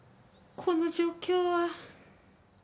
この状況は。